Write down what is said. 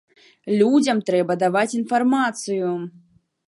Людзям трэба даваць інфармацыю!